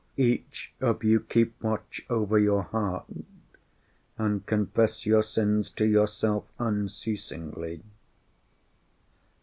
Each of you keep watch over your heart and confess your sins to yourself unceasingly.